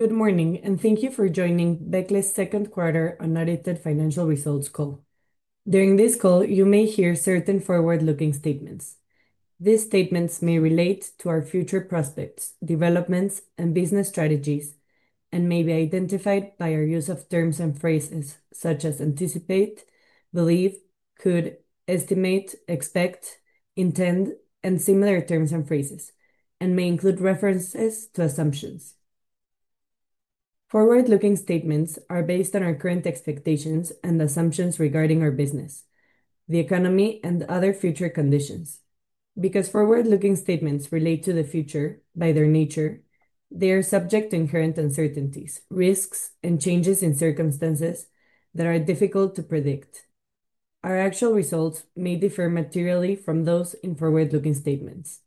Good morning, and thank you for joining Bekla's second quarter unaudited financial results call. During this call, you may hear certain forward looking statements. These statements may relate to our future prospects, developments and business strategies and may be identified by our use of terms and phrases such as anticipate, believe, could, estimate, expect, intend and similar terms and phrases and may include references to assumptions. Forward looking statements are based on our current expectations and assumptions regarding our business, the economy, and other future conditions. Because forward looking statements relate to the future by their nature, they are subject to inherent uncertainties, risks and changes in circumstances that are difficult to predict. Our actual results may differ materially from those in forward looking statements.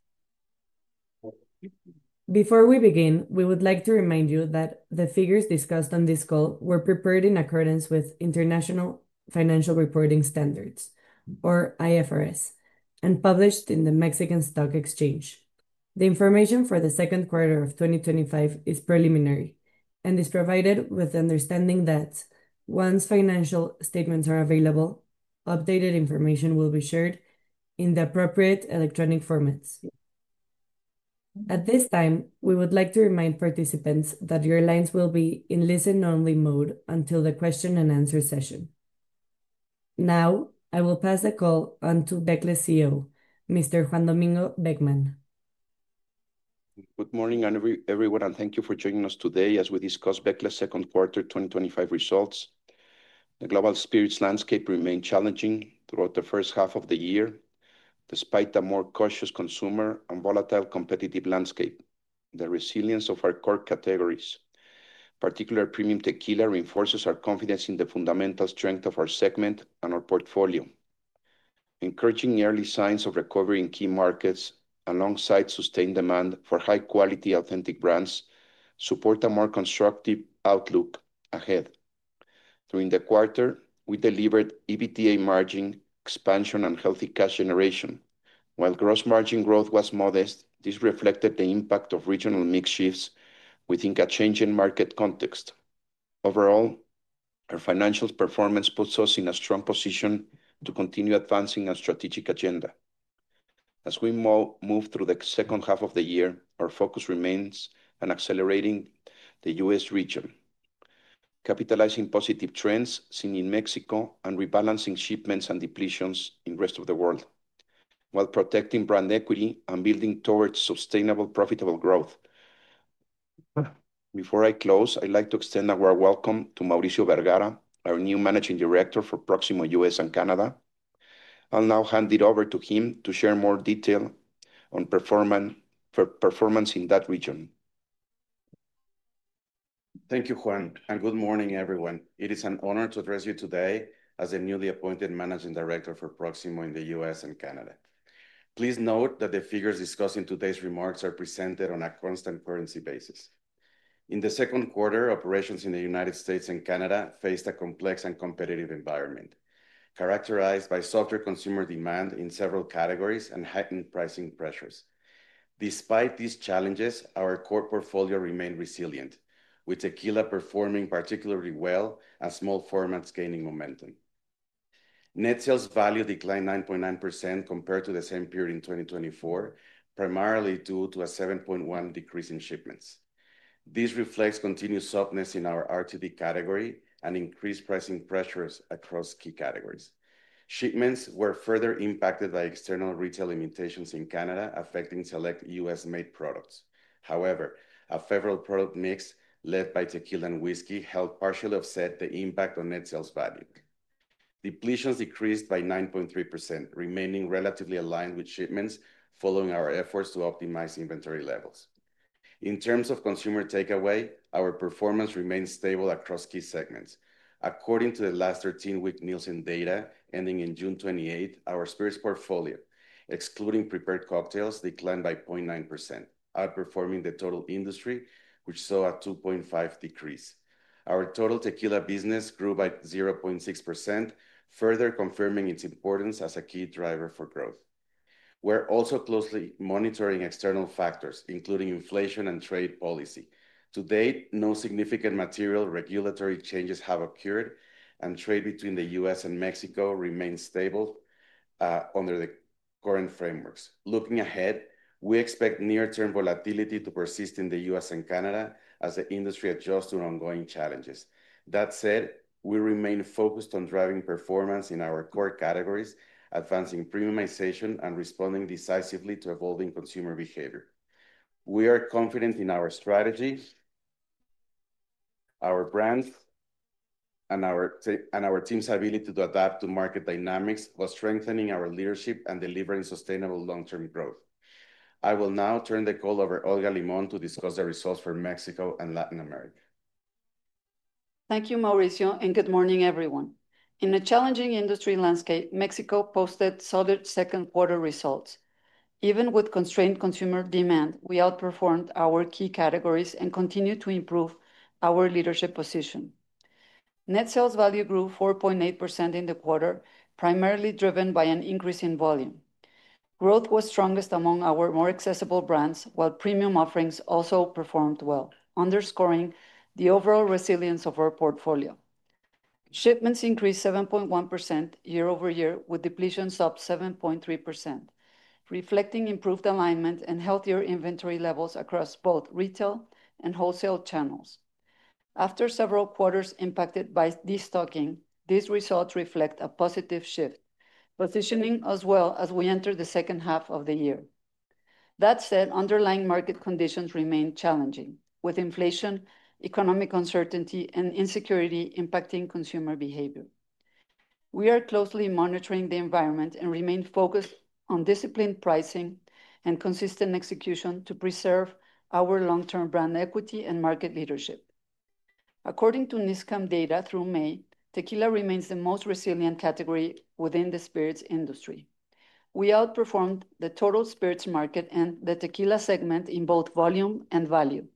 Before we begin, we would like to remind you that the figures discussed on this call were prepared in accordance with International Financial Reporting Standards, or IFRS, and published in the Mexican Stock Exchange. The information for the 2025 is preliminary and is provided with understanding that once financial statements are available, updated information will be shared in the appropriate electronic formats. At this time, we would like to remind participants that your lines will be in listen only mode until the question and answer session. Now I will pass the call on to Declet's CEO, Mr. Juan Domingo Beckman. Good morning, everyone, and thank you for joining us today as we discuss Beckle's second quarter twenty twenty five results. The global spirits landscape remained challenging throughout the first half of the year despite a more cautious consumer and volatile competitive landscape. The resilience of our core categories, particular premium tequila reinforces our confidence in the fundamental strength of our segment and our portfolio. Encouraging early signs of recovery in key markets alongside sustained demand for high quality authentic brands support a more constructive outlook ahead. During the quarter, we delivered EBITDA margin expansion and healthy cash generation. While gross margin growth was modest, this reflected the impact of regional mix shifts within a changing market context. Overall, our financials performance puts us in a strong position to continue advancing our strategic agenda. As we move through the second half of the year, our focus remains on accelerating The U. S. Region, capitalizing positive trends seen in Mexico and rebalancing shipments and depletions in rest of the world, while protecting brand equity and building towards sustainable profitable growth. Before I close, I'd like to extend our welcome to Mauricio Bergara, our new Managing Director for Proximo U. S. And Canada. I'll now hand it over to him to share more detail on performance in that region. Thank you, Juan, and good morning, everyone. It is an honor to address you today as a newly appointed Managing Director for Proximo in The U. S. And Canada. Please note that the figures discussed in today's remarks are presented on a constant currency basis. In the second quarter, operations in The United States and Canada faced a complex and competitive environment characterized by softer consumer demand in several categories and heightened pricing pressures. Despite these challenges, our core portfolio remained resilient with tequila performing particularly well as small formats gaining momentum. Net sales value declined 9.9% compared to the same period in 2024, primarily due to a 7.1% decrease in shipments. This reflects continued softness in our RTD category and increased pricing pressures across key categories. Shipments were further impacted by external retail limitations in Canada affecting select U. S.-made products. However, a favorable product mix led by tequila and whiskey helped partially offset the impact on net sales value. Depletions decreased by 9.3%, remaining relatively aligned with shipments following our efforts to optimize inventory levels. In terms of consumer takeaway, our performance remained stable across key segments. According to the last thirteen week Nielsen data ending in June 28, our spirits portfolio, excluding prepared cocktails, declined by 0.9%, outperforming the total industry, which saw a 2.5% decrease. Our total tequila business grew by 0.6%, further confirming its importance as a key driver for growth. We're also closely monitoring external factors, including inflation and trade policy. To date, no significant material regulatory changes have occurred and trade between The US and Mexico remains stable, under the current frameworks. Looking ahead, we expect near term volatility to persist in The US and Canada as the industry adjusts to ongoing challenges. That said, we remain focused on driving performance in our core categories, advancing premiumization, and responding decisively to evolving consumer behavior. We are confident in our strategies, our brands, and our and our team's ability to adapt to market dynamics while strengthening our leadership and delivering sustainable long term growth. I will now turn the call over Olga Limon to discuss the results for Mexico and Latin America. Thank you, Mauricio, and good morning, everyone. In a challenging industry landscape, Mexico posted solid second quarter results. Even with constrained consumer demand, we outperformed our key categories and continued to improve our leadership position. Net sales value grew 4.8% in the quarter, primarily driven by an increase in volume. Growth was strongest among our more accessible brands, while premium offerings also performed well, underscoring the overall resilience of our portfolio. Shipments increased 7.1% year over year with depletions up 7.3%, reflecting improved alignment and healthier inventory levels across both retail and wholesale channels. After several quarters impacted by destocking, these results reflect a positive shift positioning us well as we enter the second half of the year. That said, market conditions remain challenging with inflation, economic uncertainty and insecurity impacting consumer behavior. We are closely monitoring the environment and remain focused on disciplined pricing and consistent execution to preserve our long term brand equity and market leadership. According to NISCAN data through May, tequila remains the most resilient category within the spirits industry. We outperformed the total spirits market and the tequila segment in both volume and value,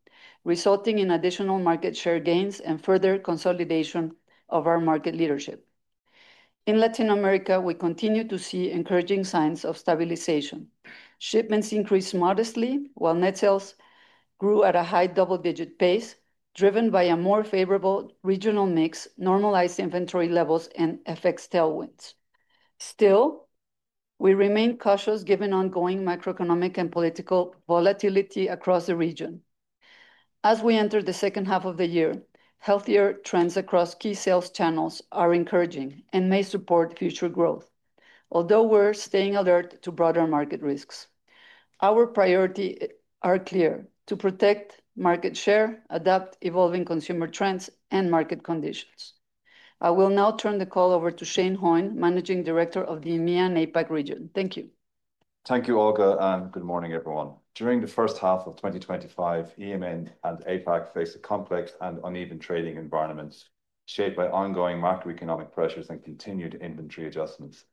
resulting in additional market share gains and further consolidation of our market leadership. In Latin America, we continue to see encouraging signs of stabilization. Shipments increased modestly, while net sales grew at a high double digit pace, driven by a more favorable regional mix, normalized inventory levels and FX tailwinds. Still, we remain cautious given ongoing macroeconomic and political volatility across the region. As we enter the second half of the year, healthier trends across key sales channels are encouraging and may support future growth, although we're staying alert to broader market risks. Our priority are clear: to protect market share, adapt evolving consumer trends and market conditions. I will now turn the call over to Shane Hoyne, Managing Director of the EMEA and APAC region. Thank you. Thank you, Olga, and good morning, everyone. During the first half of twenty twenty five, EMN and APAC faced a complex and uneven trading environments shaped by ongoing macroeconomic pressures and continued inventory adjustments.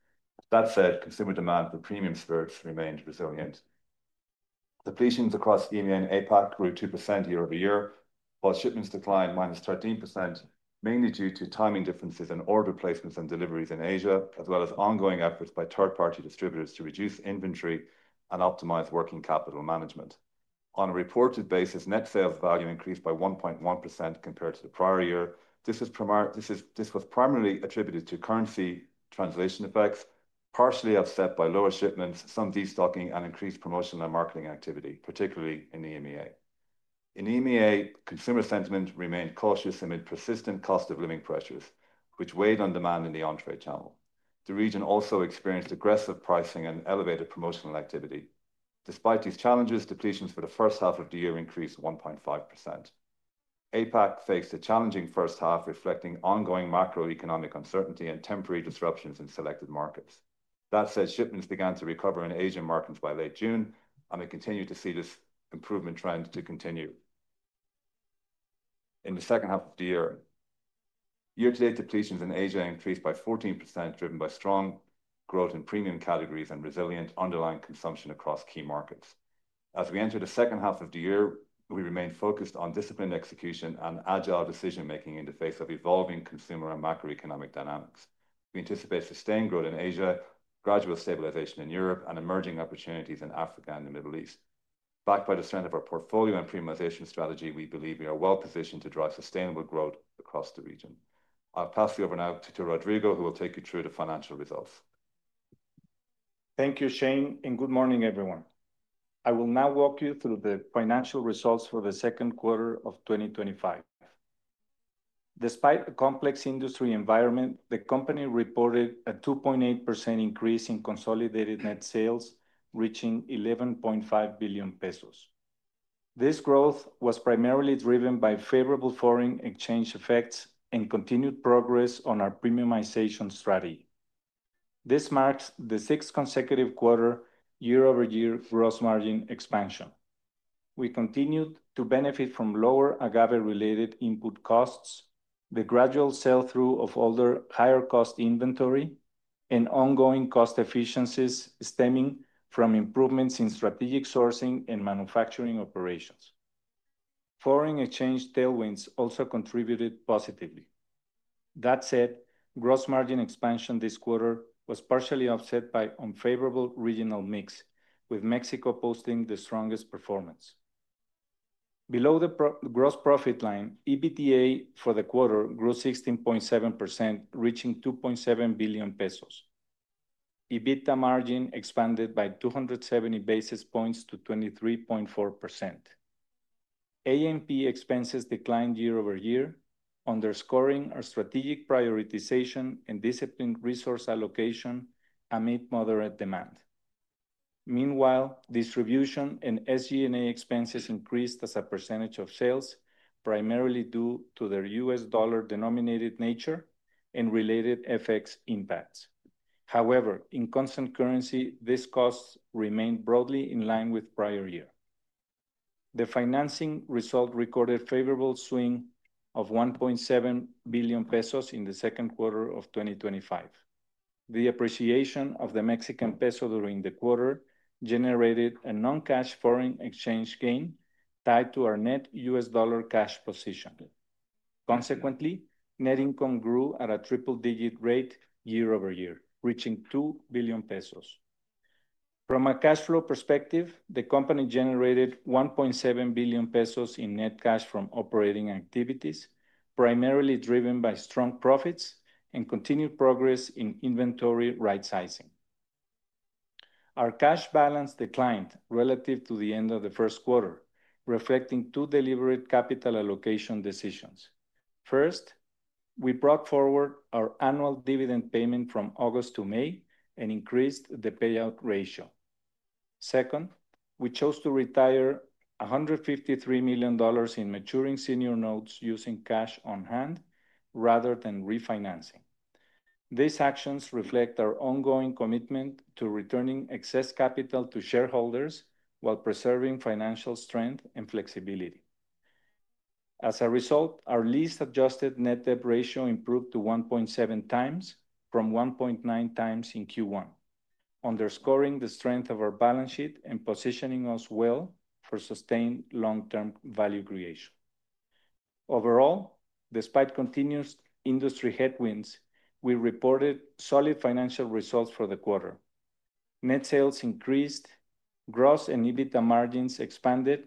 That said, consumer demand for premium spirits remained resilient. Depletions across EMEA and APAC grew 2% year over year, while shipments declined minus 13% mainly due to timing differences in order placements and deliveries in Asia as well as ongoing efforts by third party distributors to reduce inventory and optimize working capital management. On a reported basis, net sales value increased by 1.1% compared to the prior year. This is is this was primarily attributed to currency translation effects, partially offset by lower shipments, some destocking and increased promotional and marketing activity, particularly in EMEA. In EMEA, consumer sentiment remained cautious amid persistent cost of living pressures, which weighed on demand in the entree channel. The region also experienced aggressive pricing and elevated promotional activity. Despite these challenges, depletions for the first half of the year increased 1.5%. APAC faced a challenging first half reflecting ongoing macroeconomic uncertainty and temporary disruptions in selected markets. That said shipments began to recover in Asian markets by late June, and we continue to see this improvement trend to continue. In the second half of the year, year to date depletions in Asia increased by 14% driven by strong growth in premium categories and resilient underlying consumption across key markets. As we enter the second half of the year, we remain focused on disciplined execution and agile decision making in the face of evolving consumer and macroeconomic dynamics. We anticipate sustained growth in Asia, gradual stabilization in Europe and emerging opportunities in Africa and The Middle East. Backed by the strength of our portfolio and premiumization strategy, we believe we are well positioned to drive sustainable growth across the region. I'll pass you over now to Rodrigo, who will take you through the financial results. Thank you, Shane, and good morning, everyone. I will now walk you through the financial results for the second quarter of twenty twenty five. Despite a complex industry environment, the company reported a 2.8% increase in consolidated net sales, reaching COP 11,500,000,000.0. This growth was primarily driven by favorable foreign exchange effects and continued progress on our premiumization strategy. This marks the sixth consecutive quarter year over year gross margin expansion. We continued to benefit from lower agave related input costs, the gradual sell through of older higher cost inventory and ongoing cost efficiencies stemming from improvements in strategic sourcing and manufacturing operations. Foreign exchange tailwinds also contributed positively. That said, gross margin expansion this quarter was partially offset by unfavorable regional mix with Mexico posting the strongest performance. Below the gross profit line, EBITDA for the quarter grew 16.7% reaching 2.7 billion pesos. EBITDA margin expanded by two seventy basis points to 23.4. A and P expenses declined year over year, underscoring our strategic prioritization and disciplined resource allocation amid moderate demand. Meanwhile, distribution and SG and A expenses increased as a percentage of sales, primarily due to their U. S. Dollar denominated nature and related FX impacts. However, in constant currency, these costs remained broadly in line with prior year. The financing result recorded favorable swing of 1,700,000,000.0 pesos in the second quarter of twenty twenty five. The appreciation of the Mexican peso during the quarter generated a non cash foreign exchange gain tied to our net U. S. Dollar cash position. Consequently, net income grew at a triple digit rate year over year, reaching COP 2,000,000,000. From a cash flow perspective, the company generated COP 1,700,000,000.0 in net cash from operating activities, primarily driven by strong profits and continued progress in inventory rightsizing. Our cash balance declined relative to the end of the first quarter, reflecting two deliberate capital allocation decisions. First, we brought forward our annual dividend payment from August to May and increased the payout ratio. Second, we chose to retire $153,000,000 in maturing senior notes using cash on hand rather than refinancing. These actions reflect our ongoing commitment to returning excess capital to shareholders while preserving financial strength and flexibility. As a result, our lease adjusted net debt ratio improved to 1.7 times from 1.9 times in Q1, underscoring the strength of our balance sheet and positioning us well for sustained long term value creation. Overall, despite continuous industry headwinds, we reported solid financial results for the quarter. Net sales increased, gross and EBITDA margins expanded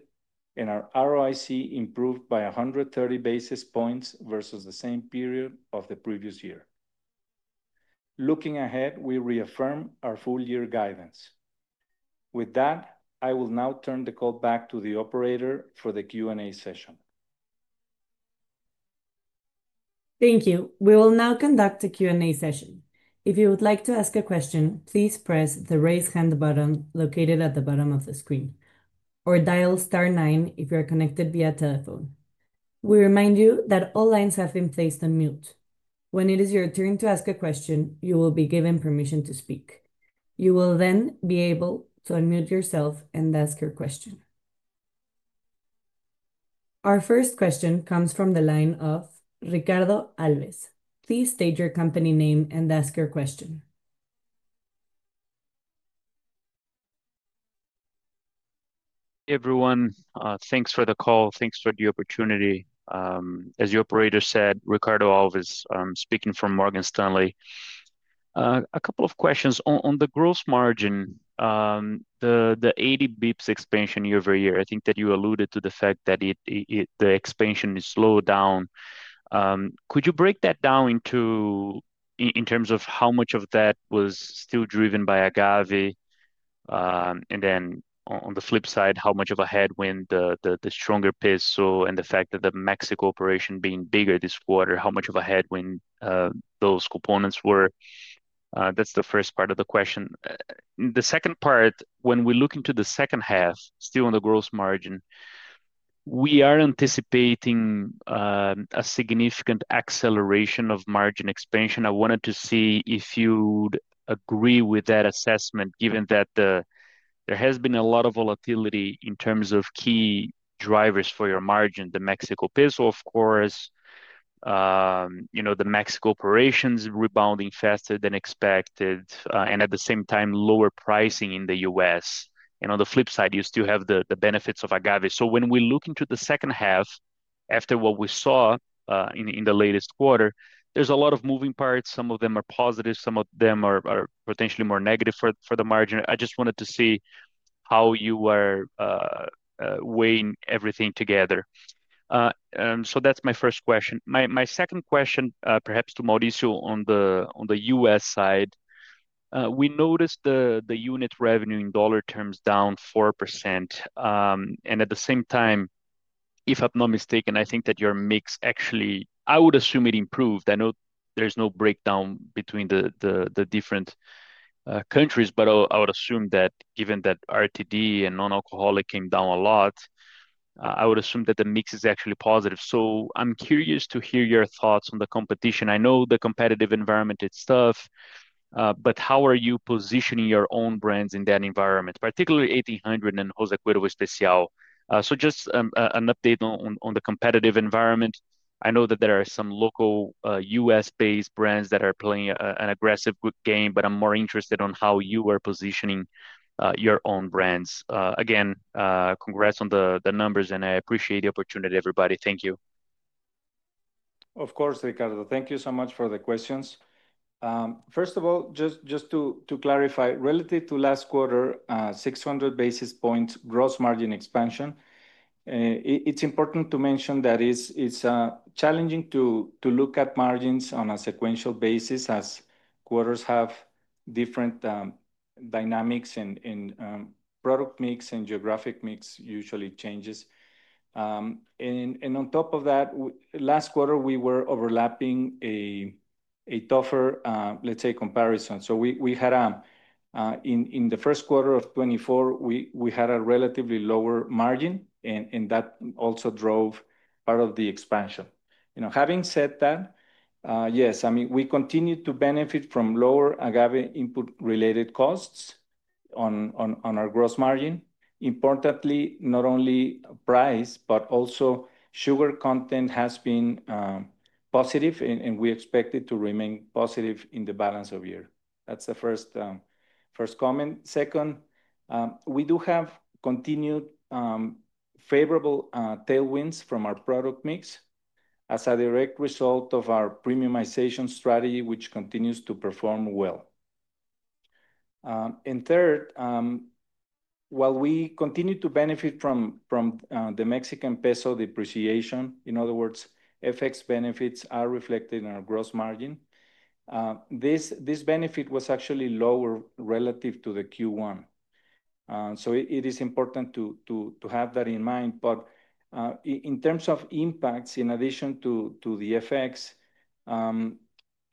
and our ROIC improved by 130 basis points versus the same period of the previous year. Looking ahead, we reaffirm our full year guidance. With that, I will now turn the call back to the operator for the Q and A session. Thank you. We will now conduct the Q and A session. We remind you that all lines have been placed on mute. Our first question comes from the line of Ricardo Alves. Please state your company name and ask your question. Hey, everyone. Thanks for the call. Thanks for the opportunity. As the operator said, Ricardo Alves speaking from Morgan Stanley. A couple of questions. On the gross margin, the 80 bps expansion year over year, I think that you alluded to the fact that the expansion has slowed down. Could you break that down into in terms of how much of that was still driven by agave? And then on the flip side, how much of a headwind the stronger peso and the fact that Mexico operation being bigger this quarter, how much of a headwind those components were? That's the first part of the question. The second part, when we look into the second half, still on the gross margin, we are anticipating, a significant acceleration of margin expansion. I wanted to see if you'd agree with that assessment given that there has been a lot of volatility in terms of key drivers for your margin, the Mexico peso of course, the Mexico operations rebounding faster than expected and at the same time lower pricing in The U. S. On And the flip side, you still have the benefits of agave. So when we look into the second half after what we saw, in the latest quarter, there's a lot of moving parts. Some of them are positive. Some of them are potentially more negative for the margin. I just wanted to see how you are weighing everything together. So that's my first question. My second question, perhaps to Mauricio, on The U. S. Side. We noticed the unit revenue in dollar terms down 4%. And at the same time, if I'm not mistaken, I think that your mix actually I would assume it improved. I know there's no breakdown between the the the different, countries, but I I would assume that given that RTD and nonalcoholic came down a lot, I would assume that the mix is actually positive. So I'm curious to hear your thoughts on the competition. I know the competitive environment and stuff, but how are you positioning your own brands in that environment, particularly eighteen hundred and Jose Cuero Especial? So just an update on the competitive environment. I know that there are some local US based brands that are playing an aggressive game, but I'm more interested on how you are positioning your own brands. Again, congrats on the numbers, and I appreciate the opportunity, everybody. Thank you. Of course, Ricardo. Thank you so much for the questions. First of all, just clarify relative to last quarter, 600 basis points gross margin expansion, it's important to mention that it's challenging to look at margins on a sequential basis as quarters have different dynamics and and, product mix and geographic mix usually changes. And and on top of that, last quarter, we were overlapping a a tougher, let's say, comparison. So we we had in the first quarter of twenty twenty four, we had a relatively lower margin, and that also drove part of the expansion. Having said that, yes, I mean, we continue to benefit from lower agave input related costs on our gross margin. Importantly, not only price, but also sugar content has been, positive, and we expect it to remain positive in the balance of year. That's the first comment. Second, we do have continued, favorable, tailwinds from our product mix as a direct result of our premiumization strategy, which continues to perform well. And third, while we continue to benefit from from, the Mexican peso depreciation, in other words, FX benefits are reflected in our gross margin, This benefit was actually lower relative to the Q1. So it is important to have that in mind. But in terms of impacts in addition to the FX,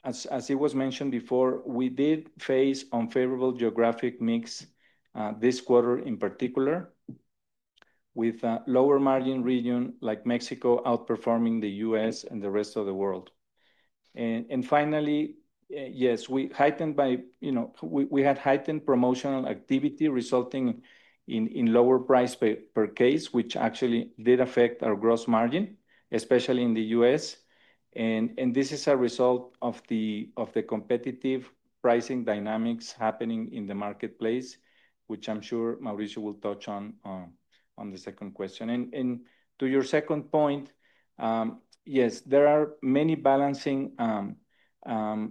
as it was mentioned before, we did face unfavorable geographic mix, this quarter in particular with lower margin region like Mexico outperforming The U. S. And the rest of the world. And finally, yes, we heightened by we had heightened promotional activity resulting in lower price per case, which actually did affect our gross margin, especially in The U. S. And this is a result of the competitive pricing dynamics happening in the marketplace, which I'm sure Mauricio will touch on the second question. And to your second point, yes, there are many balancing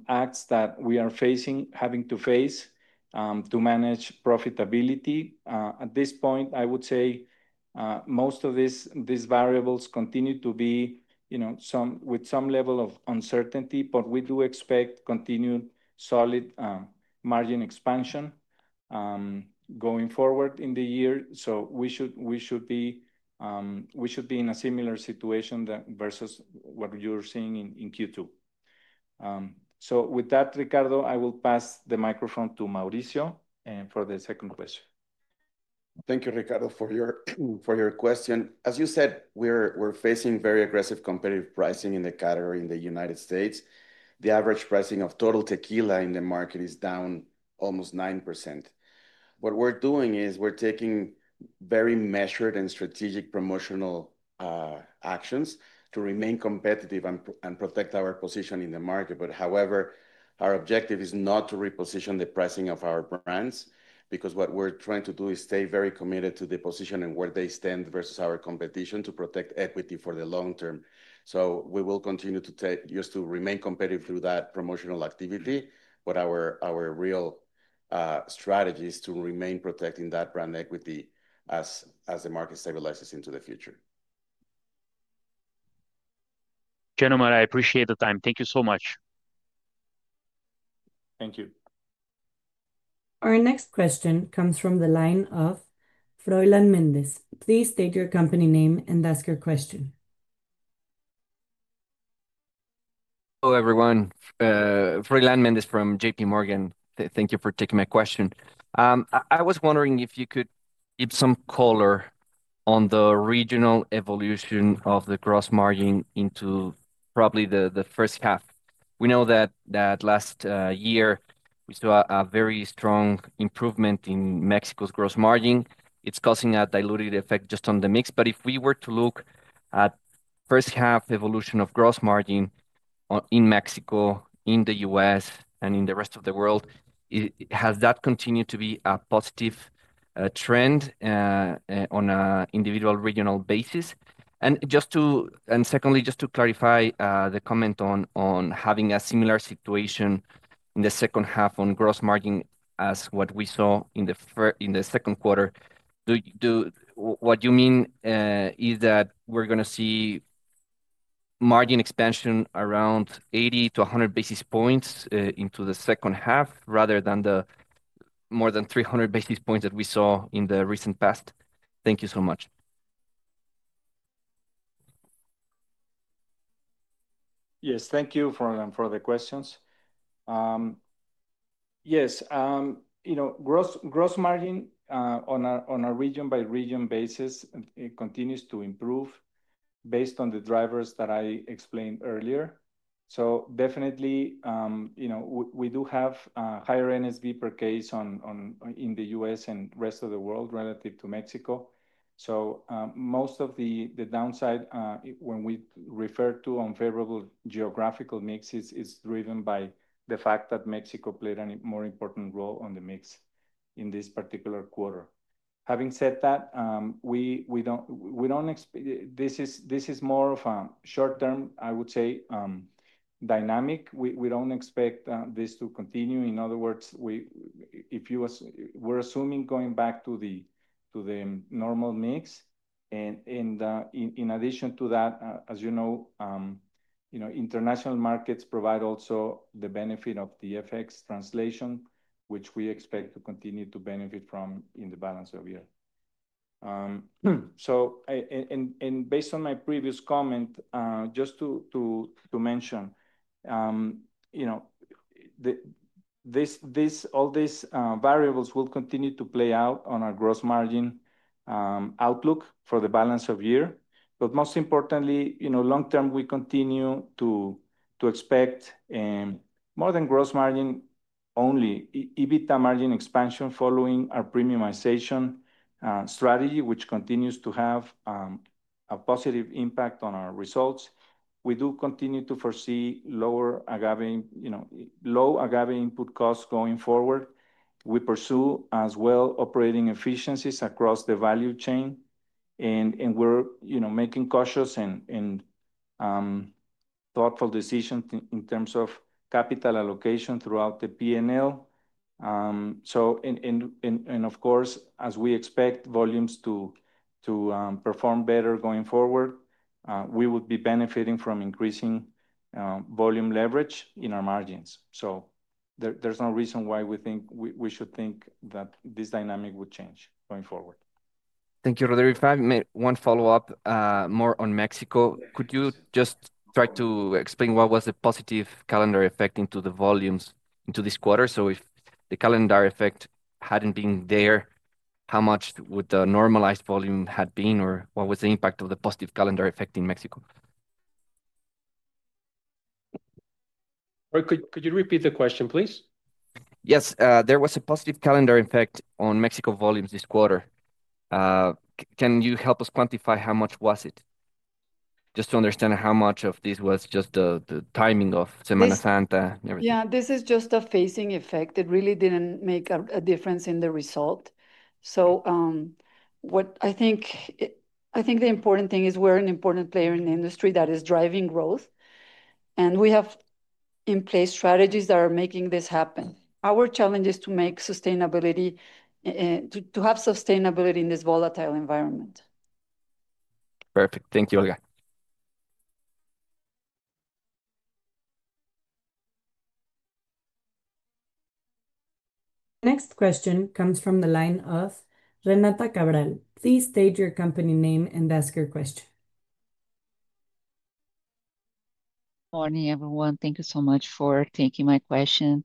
acts that we are facing having to face, to manage profitability. At this point, I would say, most of these these variables continue to be you know, some with some level of uncertainty, but we do expect continued solid margin expansion, going forward in the year. So we should we should be we should be in a similar situation versus what you're seeing in in q two. So with that, Ricardo, I will pass the microphone to Mauricio for the second question. Thank you, Ricardo, for your for your question. As you said, we're we're facing very aggressive competitive pricing in the category in The United States. The average pricing of total tequila in the market is down almost 9%. What we're doing is we're taking very measured and strategic promotional, actions to remain competitive and and protect our position in the market. But, however, our objective is not to reposition the pricing of our brands because what we're trying to do is stay very committed to the position and where they stand versus our competition to protect equity for the long term. So we will continue to take just to remain competitive through that promotional activity, but our our real strategy is to remain protecting that brand equity as as the market stabilizes into the future. Gentlemen, I appreciate the time. Thank you so much. Thank you. Our next question comes from the line of Froylan Mendez. Please state your company name and ask your question. Hello, everyone. Fred Landes from JPMorgan. Thank you for taking my question. I was wondering if you could give some color on the regional evolution of the gross margin into probably the first half. We know that last year, we saw a very strong improvement in Mexico's gross margin. It's causing a dilutive effect just on the mix. But if we were to look at first half evolution of gross margin in Mexico, in The U. S. And in the rest of the world, has that continued to be a positive trend on an individual regional basis? And just to and secondly, to clarify the comment on having a similar situation in the second half on gross margin as what we saw in second quarter. Do what you mean is that we're going to see margin expansion around 80 to 100 basis points into the second half rather than the more than 300 basis points that we saw in the recent past? Thank you so much. Yes. Thank you for the questions. Yes. Gross margin on a region by region basis continues to improve based on the drivers that I explained earlier. So definitely, you know, we do have, higher NSV per case on on in The US and rest of the world relative to Mexico. So, most of the downside, when we refer to unfavorable geographical mix is driven by the fact that Mexico played a more important role on the mix in this particular quarter. Having said that, we we don't we don't this is this is more of a short term, I would say, dynamic. We we don't expect, this to continue. In other words, we if you as we're assuming going back to the to the normal mix. And in the in in addition to that, as you know, you know, international markets provide also the benefit of the FX translation, which we expect to continue to benefit from in the balance of year. So and based on my previous comment, just to mention, you know, this this all these variables will continue to play out on our gross margin outlook for the balance of year. But most importantly, long term we continue to expect more than gross margin only, EBITDA margin expansion following our premiumization strategy, which continues to have a positive impact on our results. We do continue to foresee lower agave low agave input costs going forward. We pursue as well operating efficiencies across the value chain and we're making cautious and thoughtful decisions in terms of capital allocation throughout the P and L. So and of course, as we expect volumes to perform better going forward, we would be benefiting from increasing volume leverage in our margins. So there's no reason why we think we should think that this dynamic would change going forward. Thank you, Rodrigo. If I have one follow-up more on Mexico, could you just try to explain what was the positive calendar effect into the volumes into this quarter? So if the calendar effect hadn't been there, how much would the normalized volume had been? Or what was the impact of the positive calendar effect in Mexico? Or could you repeat the question, please? There was a positive calendar impact on Mexico volumes this quarter. Can you help us quantify how much was it? Just to understand how much of this was just the the timing of Semenasanta and everything. Yeah. This is just a phasing effect. It really didn't make a a difference in the result. So what I think I think the important thing is we're an important player in the industry that is driving growth, And we have in place strategies that are making this happen. Our challenge is to make sustainability to have sustainability in this volatile environment. Perfect. Thank you, Olga. Next question comes from the line of Renata Cabral. Please state your company name and ask your question. Morning, everyone. Thank you so much for taking my question.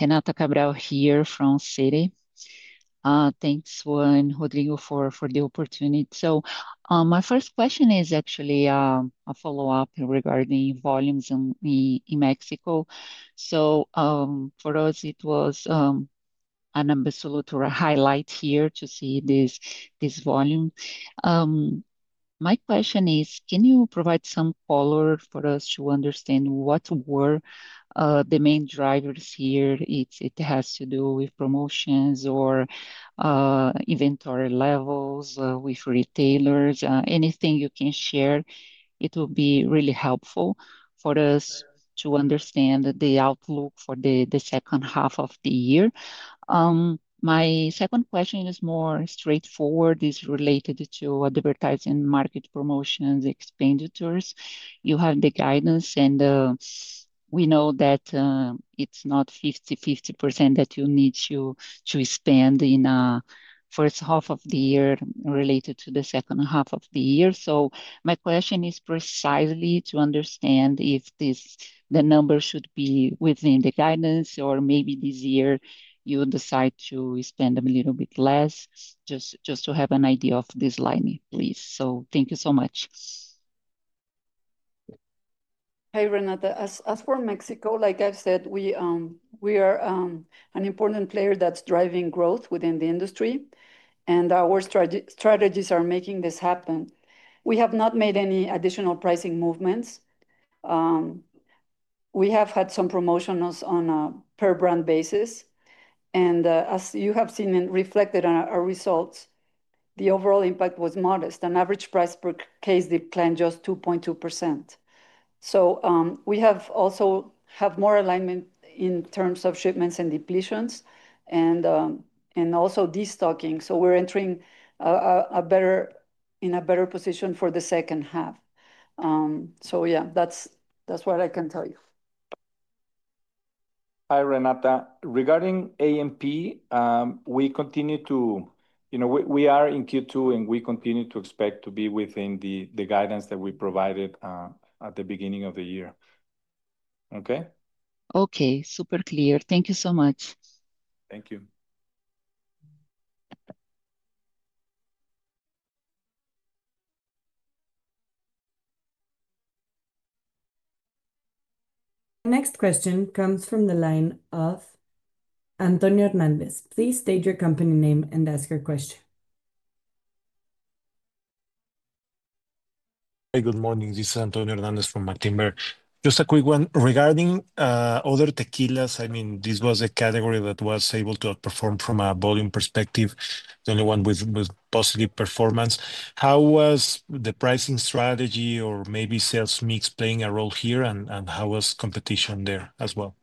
Renata Cabral here from Citi. Thanks, Juan, Rodrigo, for the opportunity. So my first question is actually a follow-up regarding volumes in Mexico. So for us, it was an ambassador or highlight here to see this volume. My question is, can you provide some color for us to understand what were, the main drivers here? It it has to do with promotions or, inventory levels Anything you can share, it will be really helpful for us to understand the outlook for the second half of the year. My second question is more straightforward. It's related to advertising market promotions, expenditures. You have the guidance, and we know that it's not 50%, 50% that you need to spend in first half of the year related to the second half of the year. So my question is precisely to understand if this the number should be within the guidance? Or maybe this year, you decide to spend a little bit less, just just to have an idea of this line, please. So thank you so much. Hi, Renata. As as for Mexico, like I've said, we we are an important player that's driving growth within the industry, and our strategies are making this happen. We have not made any additional pricing movements. We have had some promotionals on a per brand basis. And as you have seen and reflected on our results, the overall impact was modest and average price per case declined just 2.2%. So we have also have more alignment in terms of shipments and depletions and also destocking. So we're entering a better in a better position for the second half. So yes, that's what I can tell you. Renata. Regarding A and P, we continue to we are in Q2, and we continue to expect to be within the guidance that we provided at the beginning of the year. Okay? Okay. Super clear. Thank you so much. Thank you. Next question comes from the line of Antonio Hernandez. Please state your company name and ask your question. This is Antonio Hernandez from MacKimber. Just a quick one. Regarding, other tequilas, I mean, this was a category that was able to outperform from a volume perspective, the only one with positive performance. How was the pricing strategy or maybe sales mix playing a role here? And how was competition there as well?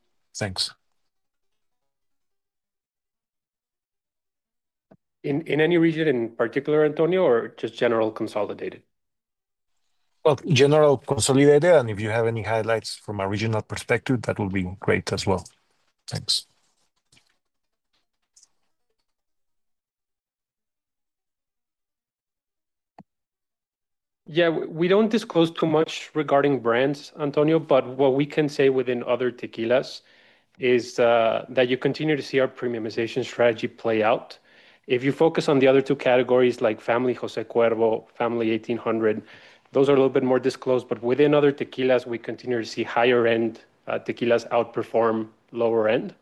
In in any region in particular, Antonio, or just general consolidated? Well, general consolidated. And if you have any highlights from a regional perspective, that will be great as well. Thanks. Yes. We don't disclose too much regarding brands, Antonio. But what we can say within other tequilas is that you continue to see our premiumization strategy play out. If you focus on the other two categories like Family Jose Cuervo, Family eighteen hundred, those are a little bit more disclosed. But within other tequilas, we continue to see higher end tequilas outperform lower end.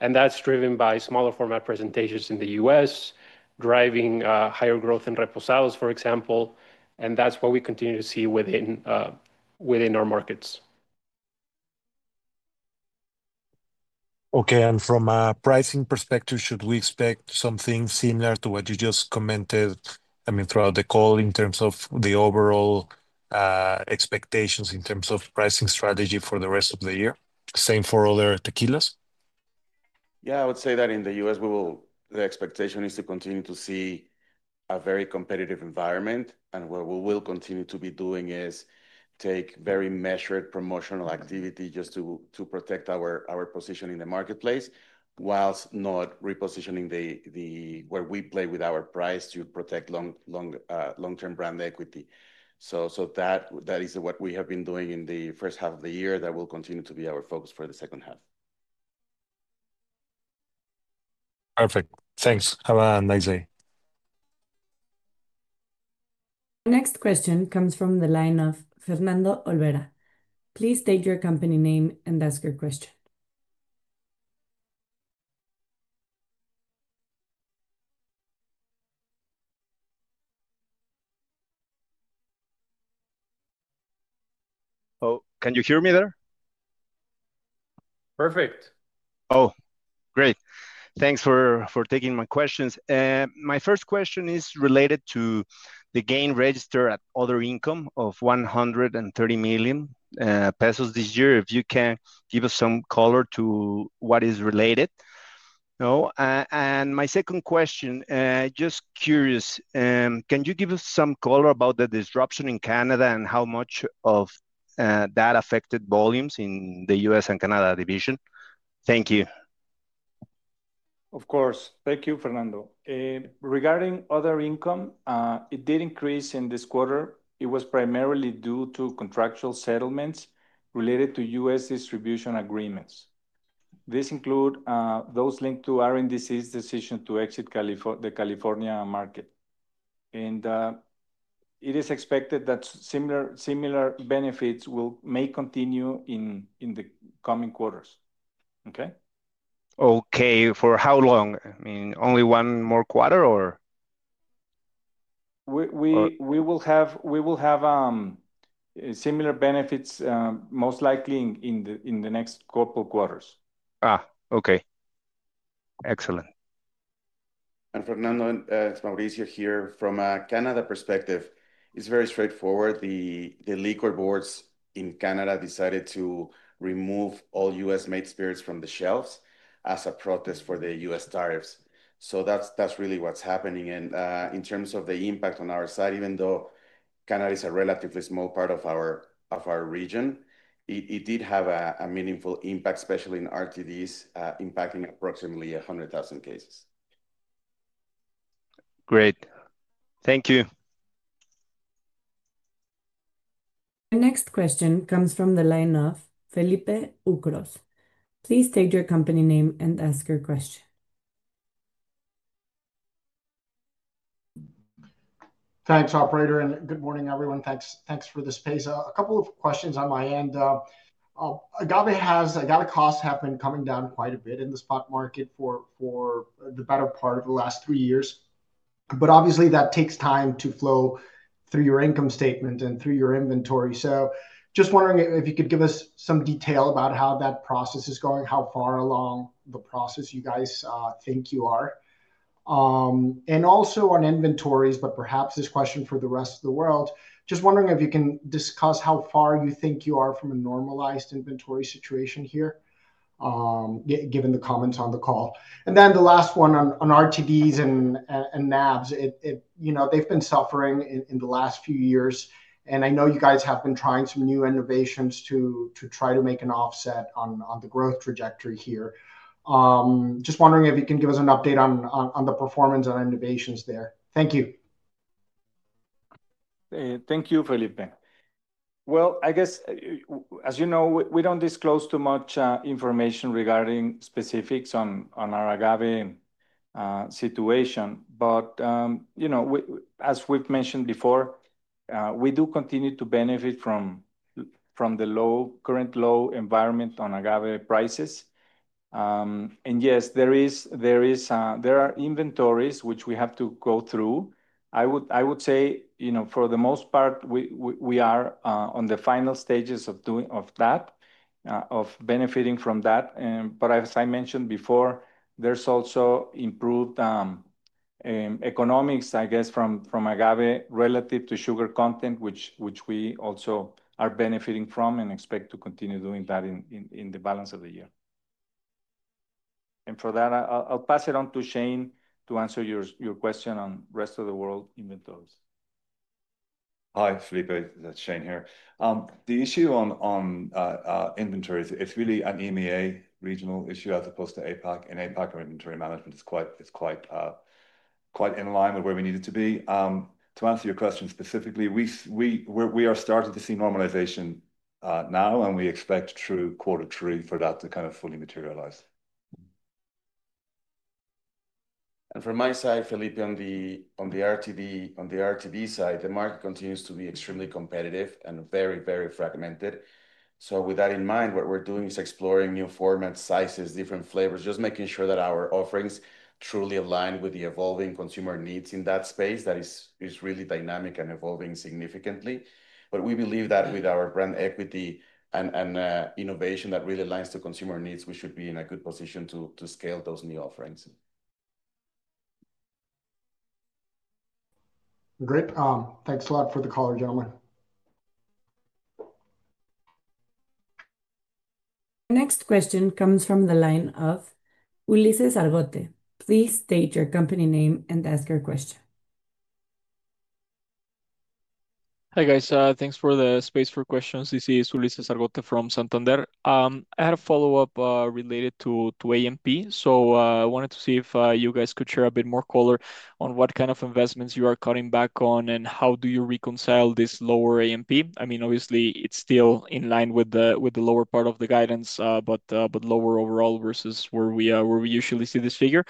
And that's driven by smaller format presentations in The U. S, driving higher growth in Reposados, for example, and that's what we continue to see within our markets. Okay. And from a pricing perspective, should we expect something similar to what you just commented, I mean, throughout the call in terms of the overall, expectations in terms of pricing strategy for the rest of the year? Same for other tequilas? Yeah. I would say that in The US, we will the expectation is to continue to see a very competitive environment, and what we will continue to be doing is take very measured promotional activity just to to protect our our position in the marketplace whilst not repositioning the the where we play with our price to protect long long long term brand equity. So so that that is what we have been doing in the first half of the year that will continue to be our focus for the second half. Perfect. Thanks. Have a nice day. Next question comes from the line of Fernando Olvera. Please state your company name and ask your question. Oh, can you hear me there? Perfect. Great. Thanks for taking my questions. My first question is related to the gain registered at other income of 130,000,000 pesos this year, if you can give us some color to what is related? My second question, just curious, can you give us some color about the disruption in Canada and how much of that affected volumes in The U. S. And Canada division? Thank you. Of course. Thank you, Fernando. Regarding other income, it did increase in this quarter. It was primarily due to contractual settlements related to U. S. Distribution agreements. This include, those linked to R and D's decision to exit the California market. And, it is expected that similar similar benefits will may continue in in the coming quarters. Okay? Okay. For how long? I mean, only one more quarter? Or We we we will have we will have similar benefits most likely in the in the next couple quarters. Ah, okay. Excellent. And, Fernando, it's Mauricio here. From a Canada perspective, it's very straightforward. The the liquor boards in Canada decided to remove all US made spirits from the shelves as a protest for The US tariffs. So that's that's really what's happening. And in terms of the impact on our side, even though Canada is a relatively small part of our of our region, it it did have a a meaningful impact, in RTDs impacting approximately one hundred thousand cases. Great. Thank you. The next question comes from the line of Felipe Uclos. Please state your company name and ask your question. Thanks, operator, and good morning, everyone. Thanks thanks for this, Peso. A couple of questions on my end. Agave has Agave costs have been coming down quite a bit in the spot market for for the better part of the last three years. But, obviously, that takes time to flow through your income statement and through your inventory. So just wondering if if you could give us some detail about how that process is going, how far along the process you guys, think you are. And also on inventories, but perhaps this question for the rest of the world, just wondering if you can discuss how far you think you are from a normalized inventory situation here, given the comments on the call. And then the last one on on RTDs and and navs, it it you know, they've been suffering in in the last few years, and I know you guys have been trying some new innovations to to try to make an offset on on the growth trajectory here. Just wondering if you can give us an update on on on the performance on innovations there. Thank you. Thank you, Felipe. Well, I guess, as you know, we don't disclose too much, information regarding specifics on our agave situation. But, you know, as we've mentioned before, we do continue to benefit from from the low current low environment on agave prices. And, yes, there is there is, there are inventories which we have to go through. I would I would say, you know, for the most part, we we we are, on the final stages of doing of that, of benefiting from that. But as I mentioned before, there's also improved economics, I guess, from from agave relative to sugar content, which which we also are benefiting from and expect to continue doing that in in in the balance of the year. And for that, I'll I'll pass it on to Shane to answer your your question on rest of the world inventories. Hi, Felipe. It's Shane here. The issue on on inventories, it's really an EMEA regional issue as opposed to APAC. In APAC, our inventory management is quite is quite quite in line with where we needed to be. To answer your question specifically, we we we're we are starting to see normalization, now, and we expect through quarter three for that to kind of fully materialize. And from my side, Felipe, on the on the RTD on the RTD side, the market continues to be extremely competitive and very, very fragmented. So with that in mind, what we're doing is exploring new formats, sizes, different flavors, just making sure that our offerings truly align with the evolving consumer needs in that space that is is really dynamic and evolving significantly. But we believe that with our brand equity and and innovation that really aligns to consumer needs, we should be in a good position to to scale those new offerings. Great. Thanks a lot for the caller, gentlemen. Next question comes from the line of Ulises Argote. This is Ulises Argote from Santander. I had a follow-up related to A and P. So I wanted to see if you guys could share a bit more color on what kind of investments you are cutting back on and how do you reconcile this lower A and P? I mean, obviously, it's it's still in line with the lower part of the guidance, but lower overall versus where usually see this figure.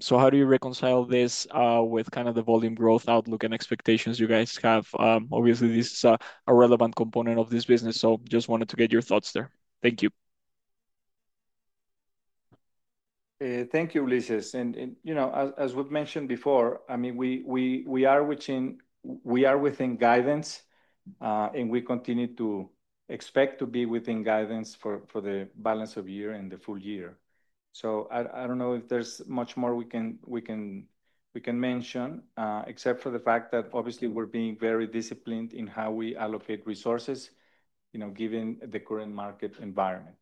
So how do you reconcile this with kind of the volume growth outlook and expectations you guys have? Obviously, this is a relevant component of this business. So just wanted to get your thoughts there. Thank you. Thank you, Lucius. And as we've mentioned before, I mean, we are within guidance, and we continue to expect to be within guidance for for the balance of year and the full year. So I I don't know if there's much more we can we can we can mention, except for the fact that, obviously, we're being very disciplined in how we allocate resources, you know, given the current market environment.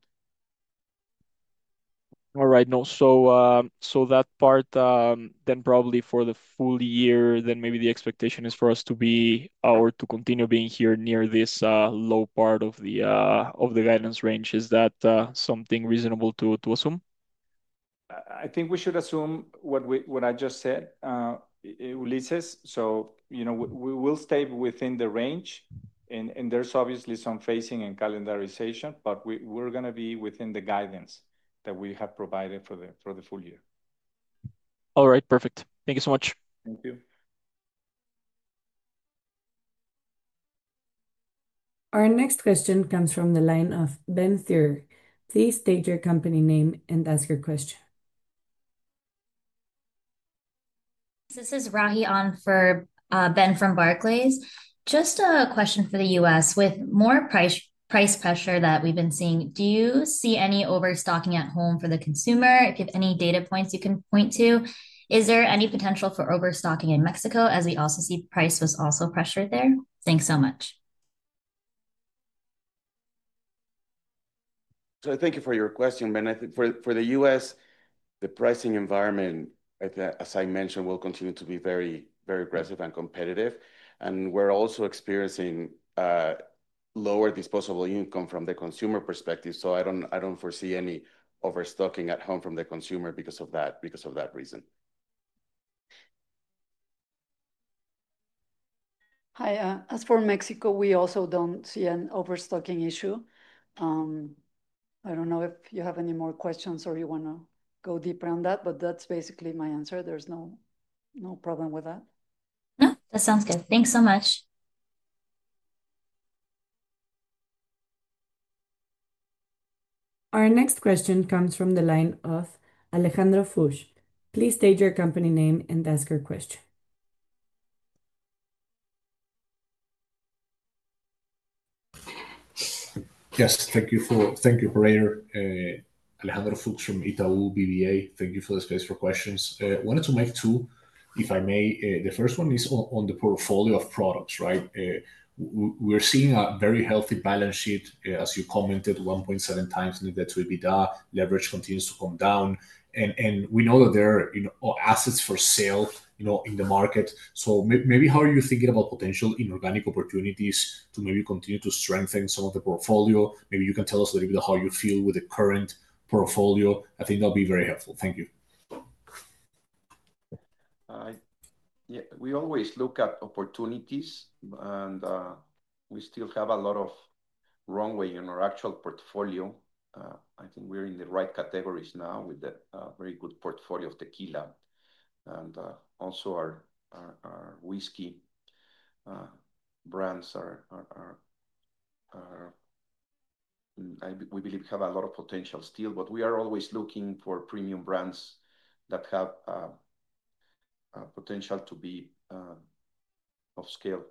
Alright. No. So, so that part, then probably for the full year, then maybe the expectation is for us to be or to continue being here near this, low part of the, of the guidance range. Is that, something reasonable to to assume? I think we should assume what we what I just said, leases. So we will stay within the range, and and there's obviously some phasing and calendarization, but we we're gonna be within the guidance that we have provided for the for the full year. All right. Perfect. Thank you so much. Thank you. Our next question comes from the line of Ben Theurer. Please state your company name and ask your question. This is Rahi on for, Ben from Barclays. Just a question for The US. With more price price pressure that we've been seeing, do you see any overstocking at home for the consumer? If you have any data points you can point to, Is there any potential for overstocking in Mexico as we also see price was also pressured there? Thanks so much. So I thank you for your question, Ben. I think for for The US, the pricing environment, as I mentioned, will continue to be very, very aggressive and competitive. And we're also experiencing lower disposable income from the consumer perspective, so I don't I don't foresee any overstocking at home from the consumer because of that because of that reason. Hi. As for Mexico, we also don't see an overstocking issue. I don't know if you have any more questions or you wanna go deeper on that, but that's basically my answer. There's no no problem with that. No. That sounds good. Thanks so much. Our next question comes from the line of Alejandro Fuchs. Please state your company name and ask your question. Yes. Thank you for thank you, operator. Alejandro Fuchs from Itau BBA. Thank you for the space for questions. I wanted to make two, if I may. The first one is on the portfolio of products. Right? We're seeing a very healthy balance sheet, as you commented, 1.7 times net debt to EBITDA. Leverage continues to come down. And and we know that there are, you know, assets for sale, you know, in the market. So may maybe how are you thinking about potential inorganic opportunities to maybe continue to strengthen some of the portfolio? Maybe you can tell us a little bit how you feel with the current portfolio. I think that'll be very helpful. Thank you. Yeah. We always look at opportunities, and we still have a lot of runway in our actual portfolio. I think we're in the right categories now with the very good portfolio of tequila And also our our our whiskey brands are are are we believe have a lot of potential still, but we are always looking for premium brands that have potential to be of scale.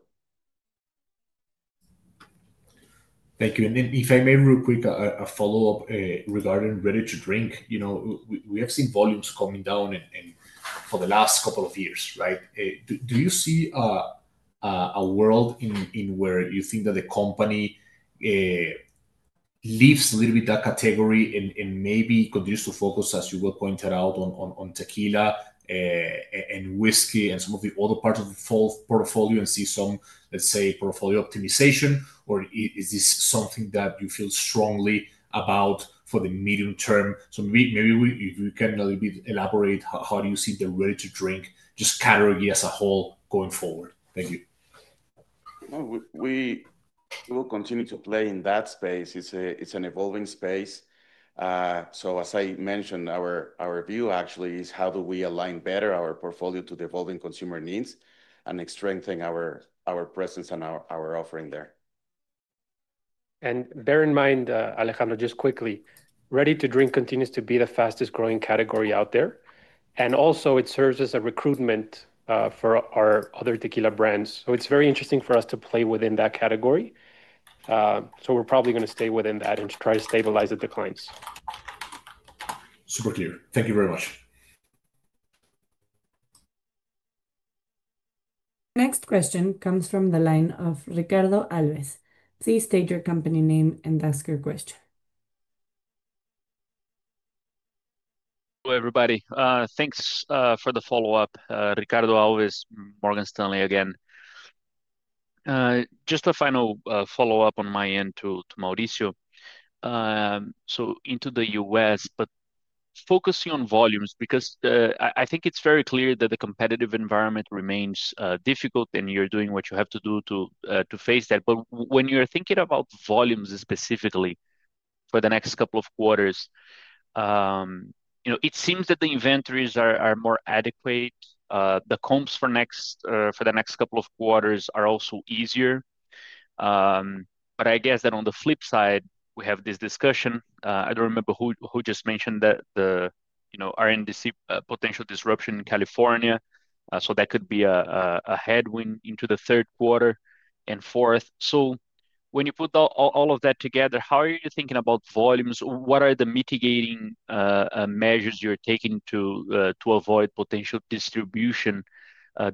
Thank you. And then if I may real quick a follow-up regarding ready to drink. You know, we we have seen volumes coming down in in for the last couple of years. Right? Do do you see a world in in where you think that the company leaves a little bit that category and and maybe could use to focus as you were pointed out on on on tequila and whiskey and some of the other parts of the full portfolio and see some, let's say, portfolio optimization, or is this something that you feel strongly about for the medium term? So me maybe we if you can elaborate how do you see the way to drink just category as a whole going forward? Thank you. No. We we will continue to play in that space. It's a it's an evolving space. So as I mentioned, our our view actually is how do we align better our portfolio to the evolving consumer needs and strengthen our our presence and our our offering there. And bear in mind, Alejandro, just quickly, ready to drink continues to be the fastest growing category out there. And also, it serves as a recruitment, for our other tequila brands. So it's very interesting for us to play within that category. So we're probably gonna stay within that and try to stabilize the declines. Super clear. Thank you very much. Next question comes from the line of Ricardo Alves. Please state your company name and ask your question. Hello, everybody. Thanks for the follow-up. Ricardo always Morgan Stanley again. Just a final follow-up on my end to to Mauricio. So into The US, but focusing on volumes because I think it's very clear that the competitive environment remains difficult and you're doing what you have to do to face that. But when you're thinking about volumes specifically for the next couple of quarters, it seems that the inventories are more adequate. The comps for next the next couple of quarters are also easier. But I guess that on the flip side, we have this discussion. I don't remember who just mentioned that the R and D potential disruption in California. So that could be a headwind into the third quarter and fourth. So when you put all of that together, how are you thinking about volumes? What are the mitigating measures you're taking to avoid potential distribution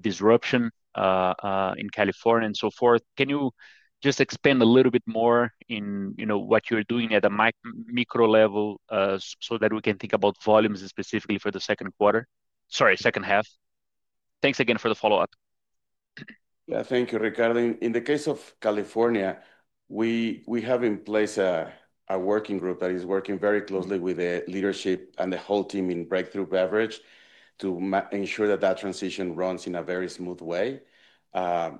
disruption in California and so forth? Can you just expand a little bit more in what you're doing at a micro level so that we can think about volumes specifically for the second quarter sorry, second half? Thanks again for the follow-up. Yeah. Thank you, Ricardo. In the case of California, we we have in place a working group that is working very closely with the leadership and the whole team in breakthrough beverage to ensure that that transition runs in a very smooth way.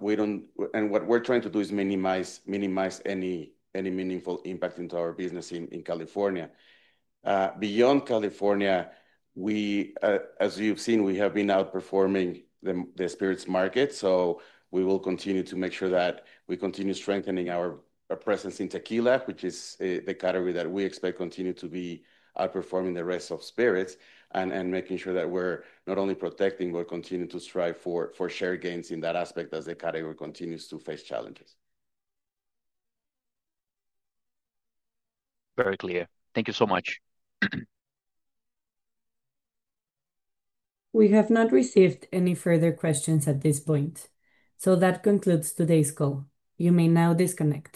We don't and what we're trying to do is minimize minimize any any meaningful impact into our business in in California. Beyond California, we, as you've seen, we have been outperforming the the spirits market. So we will continue to make sure that we continue strengthening our our presence in tequila, which is the category that we expect continue to be outperforming the rest of spirits and and making sure that we're not only protecting, we're continuing to strive for for share gains in that aspect as the category continues to face challenges. Very clear. Thank you so much. We have not received any further questions at this point. So that concludes today's call. You may now disconnect.